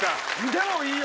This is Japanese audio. でもいいよ！